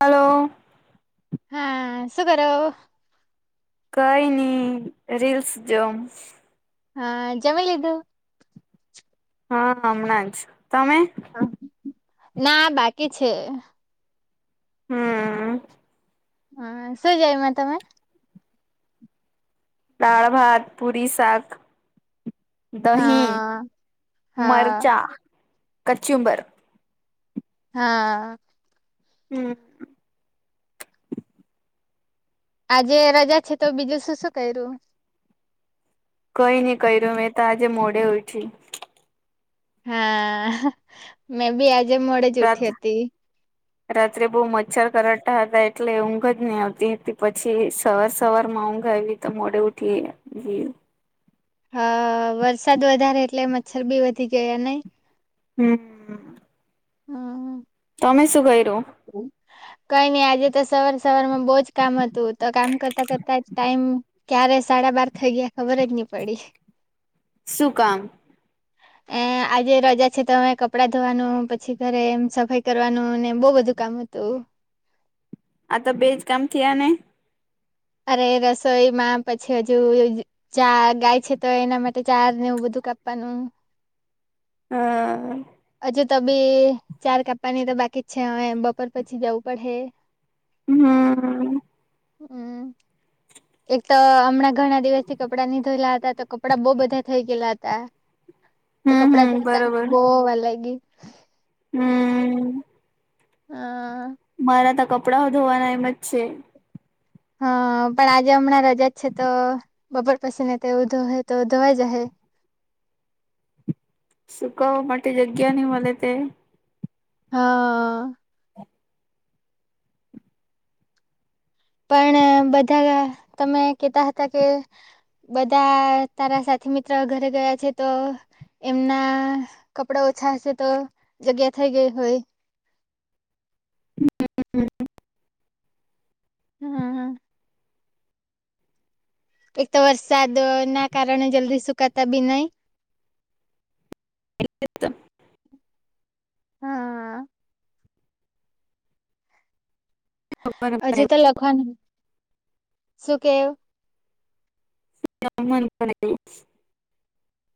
Hello. હા શું કરો? કઈ ની, રિલ્સ જોવ. હા જમી લીધું. હા હમણાં જ, તમે? ના બાકી છે. હમ્મ. હા શું જમ્યા તમે. દાળ ભાત, પુરી, શાક દહીં, હા હા મરચાં, કચ્ચુંબર હા. હમ. આજે રજા છે તો બીજું શું શું કર્યું કઈ નઈ ક્યું મેં તો આજે મોડે ઉઠી. હા હા મેં બી આજે મોડે જ ઉઠી રાત્ર [inaudible] રાત્રે બઉુ મચ્છર કરાતા હતા એટલે ઊંઘ જ નહી આવતી હતી પછી સવાર સવાર માં ઊંઘ આવી. તો મોડે ઉઠી એ ગઈ. હા વરસાદ વધારે એટલે મચ્છર બી વધી ગયા ને. હમ્મ. હા. તમે શું કર્યું. હું કઈ નઈ આજે તો સવાર સવાર માં બહુજ કામ હતું તો કામ કરતા કરતા જ ટાઈમ ક્યારે સાડા બાર થઈ ગયા ખબર જ નહી પડી. શું કામ. [inaudible] એ આજે રજા છે તોમે કપડાં ધોવાનું પછી ઘરે એમ સફાઈ કરવાનું ને બહુ બધું કામ હતું. આ તો બેજ કામ થયા ને. અરે રસોઈ માં પછી હજુ ચા ગાય છે તો એના માટે ચાર ને એવું બધું કાપવાનું. હા. હજુ તો બી ચાર કાપપા ની તો બાકી જ છે હવે બપોર પછી જવું પડે. હમ્મ. હમ્મ. એક તો હમણાં ઘણા દિવસથી કપડા નીધયેલા હતા તો કપડા બઉ બધા થઇ ગયેલા હતા. તો હમ કપડા હમ ધતા જ બો વાર લાગી. હમ્મ. હા. મારા તો કપડાઓ ધોવાના એમ જ છે. હા પણ આજે હમણાં રજા જ છે તો બપોર પછી ને તે ધોહે તો ધોવા ઈ જહે. સુકાવા માટે જગ્યા નહી મળે તે હા. પણ બધા તમે કેતા હતા કે બધા તારા સાથી મિત્ર ઘરે ગયા છે તો એમના કપડા ઓછા હશે તો જગ્યા થઈ ગઈ હોય. હમ્મ હામ હામ. હા હા. એક તો વરસાદ ના કારણે જલ્દી સુકાતા બી નહી. એ જ તો. હા. હજુ તો લખવાનું શું કેવ. [unintelligible]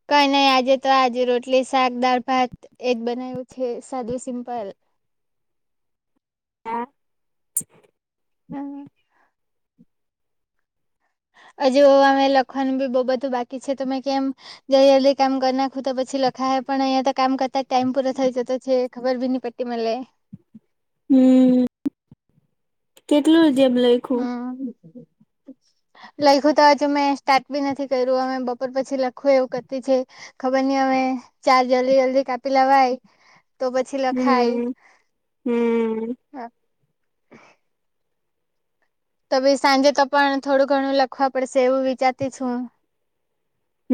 કઈ નહી આજે તો આજે રોટલી શાક દાળ ભાત એજ બનાય્યું છે સાદું સિમ્પલ હા હમ હજુ અમે લખવાનું બી બહુ બધું બાકી છે તમે કેમ જલ્દી જલ્દી કામ કરી નાખું તો પછી લખાય પણ અહીયા તો કામ કરતા ટાઈમ પૂરો થઈ જતો છે ખર બી નહી પડ [unintelligible] લે. હમ્મ કેટલું જેબ લઈ હા લઈખું તો જ આજુ મેં સ્ટાર્ટ બી નથી કર્યું અમે બપોર પછી લખું એવું કરતી છે. ખબર નઈ અમે ચાર જલ્દી જલ્દી કાપી લવાય તો પછી હમ લખાય હમ તો ભાઈ સાંજે તો પણ થોડું ઘણું લખવા પડશે એવું વિચારતી છું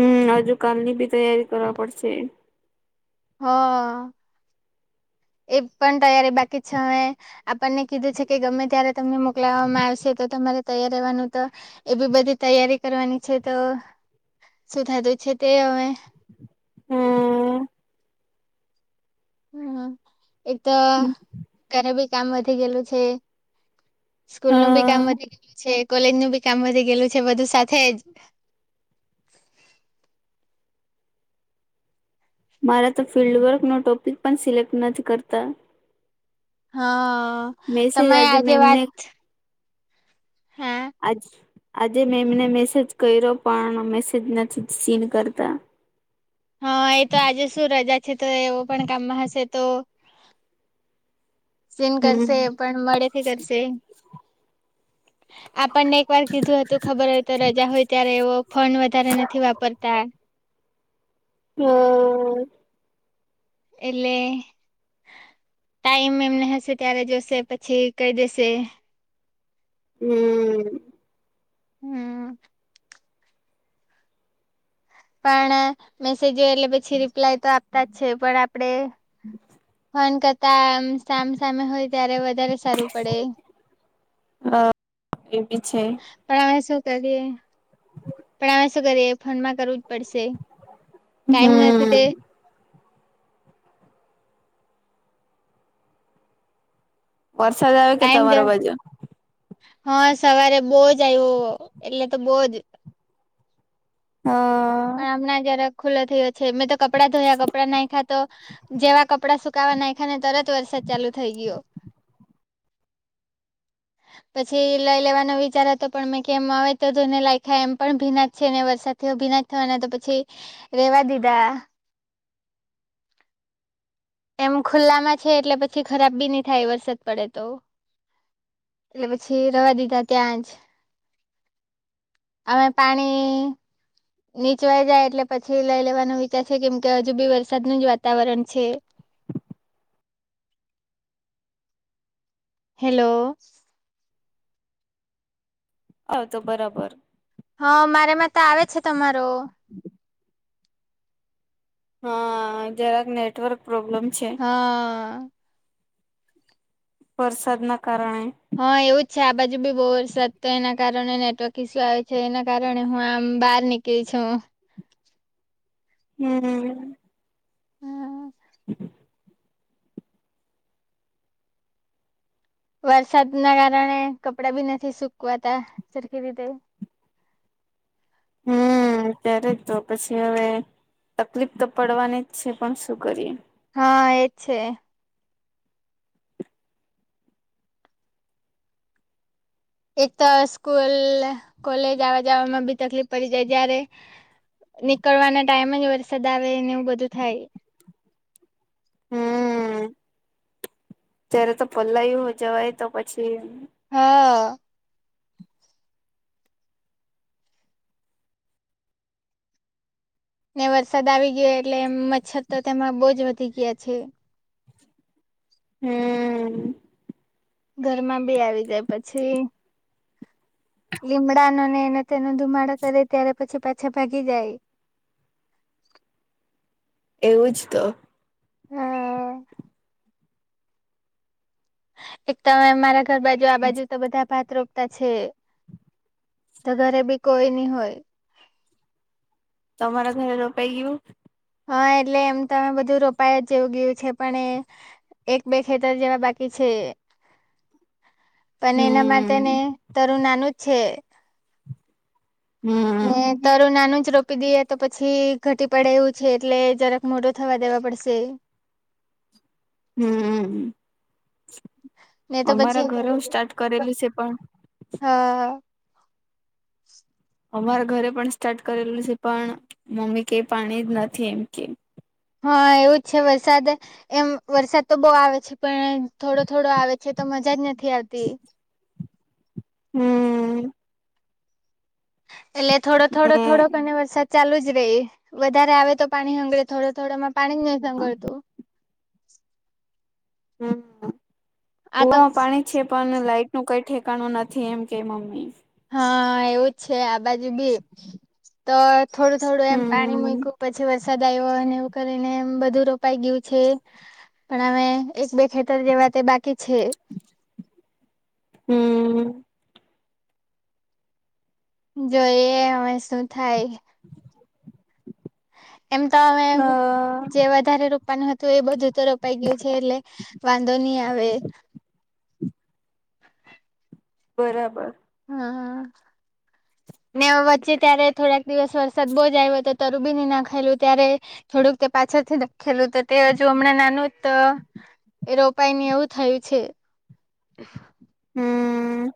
હમ હજુ કાલની બી તૈયારી કરવા પડશે હા એ પણ તૈયારી બાકી છેવે આપણને કીધું છે કે ગમે ત્યારે તમને મોકલાવામાં આવશે તો તમારે તૈયાર રહેવાનું તો એ બી બધી તૈયારી કરવાની છે તો શું થતું છે તે હવે હમ હમ એક તો ઘરે બી કામ વધી ગયેલું છે સ્કૂલ અ નું બી કામ વધી ગયેલું છે કોલેજ નું બી કામ વધી ગયેલું છે બધું સાથે જ મારા તો ફિલ્ડ વર્ક નો ટોપિક પણ સિલેક્ટ નથી કરતા હા મેસેજ તમે આજે મેમને વાત હા આજ આજે મેંમ ને મેસેજ કર્યો પણ મેસેજ નથી સીન કરતા હા એ તો આજે શું રજા છે તો એવો પણ કામમાં હશે તો સીન કરશે હમ પણ મળેથી કરશે આપણને એક વાર કીધું હતું ખબર હોય તો રજા હોય ત્યારે એવો ફોન વધારે નથી વાપરતા હા એલે ટાઈમ એમને હશે ત્યારે જોશે પછી કહી દેશે હમ હમ પણ મેસેજો એટલે પછી રિપ્લાય તો આપતા જ છે પણ આપડે હમ ફોન કરતામ સામ સામે હોય ત્યારે વધારે સારું પડે હા એબી છે પણ અમે શું કરીએ બ [unintelligible] પણ અમે શું કરીએ ફોનમાં કરવું જ પડશે ટાઈમ નથી તે હમ વરસાદ આવે કે તમા ટાઈમ તમારો જ બાજુ હા સવારે બહુ જ આવ્યો એટલે તો બહ જ હા પણ હમણાં જરા ખુલ્લો થયો છે મેં તો કપડા ધોયા કપડા નાખ્યા તો જેવા કપડાં સુકાવા નાખાને તરત વરસાદ ચાલુ થઈ ગયો પછી લઈ લેવાનો વિચાર હતો પણ મેં કેમ આવે તોને લાયખાય એમ પણ ભીના જ છે ને વરસાદ થયો ભીના થવાના તો પછી રેવા દીધા એમ ખુલ્લામાં છે એટલે પછી ખરાબ બી નહી થાય વરસાદ પડે તો એટલે પછી રવા દીધા ત્યાં જ અમે પાણી નીચવાઈ જાય એટલે પછી લઇ લેવાનો વિચાર છે કેમ કે હજુ બી વરસાદનું જ વાતાવરણ છે હેલો અ તો બરાબર હા મારેમાં તો આવે છે તમારો હા જરાક નેટવર્ક પ્રોબ્લેમ છે હા વરસાદ ના કારણે હા એવું જ છે આ બાજુ બી બહુ વરસાદ તો એના કારણે નેટવર્ક ઇસ્યુ આવે છે એના કારણે હું આમ બહાર નીક કે છ હમ્મ હા, [inaudible] વરસાદ ના કારણે, કપડાભી નથી સુકવાતા સરખી રીતે. હમ્મ ત્યારેજ તો પસી હવે તકલીફ તો પડવાની જ છે, પણ શું કરીએ. હા એ છે. એક તો સ્કૂલ, કોલેજ આવા જવામાં બી તકલીફ પડી જાય જ્યારે નીકળવાના ટાઈમેજ વરસાદ આવે ને એવું બધું થાય. હમ્મ ત્યારે તો પલાય જવાય તો પછી હે ને વરસાદ આવી ગયો એટલે, મચ્છર તો તેમાં બહુજ વધી ગયા છે. હમ્મ ઘરમાં બી આવી જાય પછી લીમડાનો ને એને તેનો ધુમાડો કરે ત્યારે પછી પાછા ભાગી જાય. એવું જ તો હા એક તમે મારા ઘર બાજુ આ બાજુ તો બધા ભાત રો તા છે, તો ઘરે બી કોઈ ની હોય. તમારા તે રોપાઈ ગયું? હા એટલે એમ તોમે બધું રોપાય જેવું ગયું છે, પણ એ એક બે ખેતર જેવા બાકી છે. પણ એના માટે હમ ને તરુ નાનું જ છે. હમ્મ ને તારું નાનું જ રોપી દઈએ, તો પછી ઘટી પડે એવું છે એટલે જરા મોટો થવા દેવા પડશે. હમ્મ, ને તો પછી અમારા ઘરેઓ સ્ટાર્ટ કરેલું છે પણ હા અમારા ઘરે પણ સ્ટાર્ટ કરેલું છે, પણ મમ્મી કે પાણી જ નથી એમ કે. હા એવું જ છે વરસાદ એમ વરસાદ તો બહુ આવે છે, પણ થોડો થોડો આવે છે, તો મજા જ નથી આવતી. હમ્મ એટલે થોડો થોડો ને થોડોકને વરસાદ ચાલુ જ રહી, વધારે આવે તો પાણી હંગેરે થોડો થોડો માં પાણીજ નહી હંગારતું. હમ્મ આ તો કૂવામાં પાણી છે, પણ લાઈટ નું કઈ ઠેકાણું નથી, એમ કે મમ્મી હા એવું જ છે આ બાજુબી, તો થોડું થોડું એમ પાણી હમ મૂક્યું પછી વરસાદ આવ્યો અને એવું કરીને બધું રોપાઈ ગયું છે. પણ હવે, એક બે ખેતર જેવા તે બાકી છે. હમ્મ જોઈએ હવે શું થાય [inaudible] તમતો હમે હા જેવા જ વધારે રોપવાનું હતું એ બધું તો રોપાઈ ગયું છે એટલે વાંધો નહી આવે. બરાબર. હા હાં. ને વચ્ચે ત્યારે થોડાક દિવસ વરસાદ બોજ આયવો, તો તરું બી ની નાખેલું ત્યારે. થોડુંક તે પાછદથી દખેલું તો તે હજુ અમણાં નાનું જ તો એ રોપાઈ ની એવું થયું છે. હમ્મ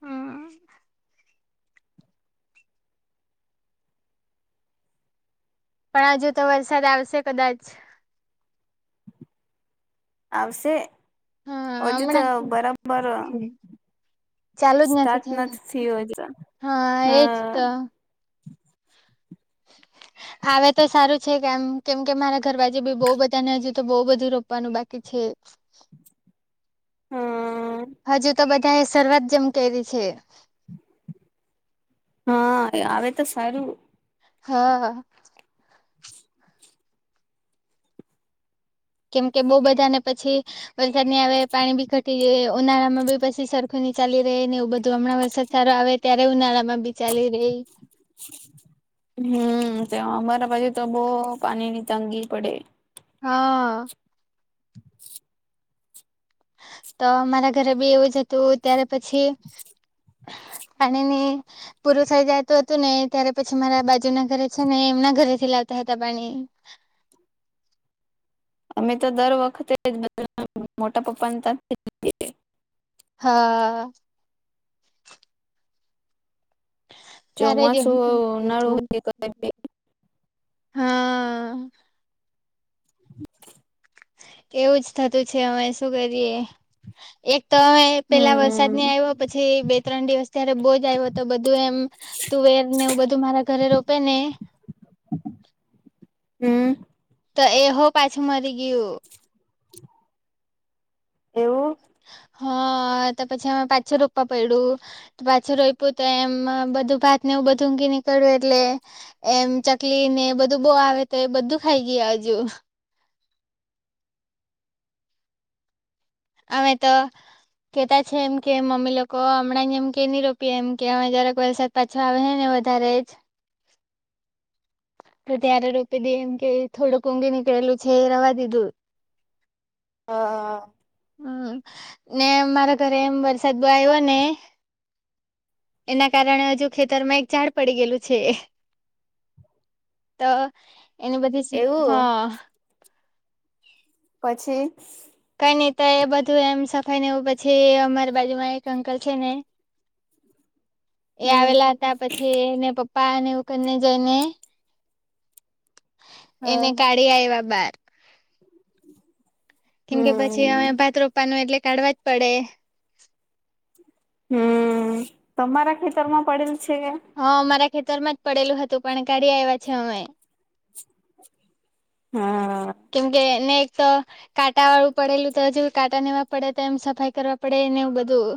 હમ્મ પણ અજુ તો વરસાદ આવશે કદાચ આવશે હા અજુ ત હમણાં બરાબર. ચાલુ જ સ્ટાર્ટ નથી થીયો થયું એટલે. હા હ. એજ તો [inaudible] આવે તો સારું છે કેમ કેમ કે મારા ઘર બાજુ બી બોવ બધા ને હજુ તો બોવ બધું રોપવાનું બાકી છે. હા હજુ તો બધાયે શરૂઆત જેમ કયરી છે. હા એ આવે તો સારું. હા. કેમ કે બો બધાને પછી વરસાદ ની આવે પાણી બી ઘટી જાયે ઉનાળામાં બી પસી સરખું ની ચાલી રેય ને એવું બધું અમણાં વરસાદ સારો આવે ત્યારે ઉનાળા માં બી ચાલી રેય. હું ત્યો અમારા બાજુ તો બો પાની ની તંગી પડે. હા. તો મારા ઘરે બી એવું જ હતું ત્યારે પછી પાણીની પૂરું થઈ જાયતું હતું ને ત્યારે પછી મારા બાજુ ના ઘરે છે ને એમના ઘરેથી લાવતા હતા પાની. અમે તો દર વખતે જ બધા મોટા પપ્પાને તાથી જ હા. ત્યારેય ચોમાસું હોય ઉનાળુ ગિયુમ હોય કઈ બી હા. [inaudible] કેવું જ થતું છે અમે શું કરીએ? એક તો એ પેલા વરસાદ હમ ની આયવો પછીય બે ત્રણ દિવસ ત્યારે બો જ આયવો તો બધું એમ તુંવેર ને એવું બધું મારા ઘરે રોપે ને હમ્મ. તો એ હો પાછું મરી ગિયું. એવું. હા તો પછી અમે પાછું રોપ્પા પયડું. પાછું રોયપુ તો એમ અ બધું ભાત ને એવું બધું ઊંગી નિકયળું એટલે એમ ચકલી ને એ બધું બો આવે તો એ બધું ખાઈ ગિયા અજુ. આવે તો કેતા છે એમ કે મમ્મી લોકો અમણાં જ એમ કે ની રોપીએ એમ કે અમે જરાક વરસાદ પાછો આવહે ને વધારે જ તો ત્યારે રોપી દીએ એમ કે થોડુંક ઉગી નીકળેલું છે એ રવા દીધું [inaudible] હ હ. હું ને મારા ઘરે એમ વરસાદ બો આયવો ને એના કારણે અજુ ખેતર માં એક ઝાડ પડી ગેયલું છે. તો એની બધીસ એવું હા પછી? કઈ ની ત એ બધું એમ સફાઈ નેવું પછી અમારે બાજુમાં એક અંકલ છે ને એ હમ આવેલા હતા પછી એને પપ્પા અને એવું કને જોઈને. હ એને કાઢી આયવા બાર. કેમ કે પછી હમ અમે પાત્ર રોપ્પાનું એટલે કાઢવા જ પડે. હું તમારા ખેતર માં પડેલ છે કે? હા અમારા ખેતર માં જ પડેલું હતું પણ કાઢી આવ્યા છે અમે. હા. કેમ કે ને એકતો કાંટા વાળું પડેલું તો હ જે કાટા નેવા પડે તો એમ સફાઈ કરવા પડે ને એવું બધું.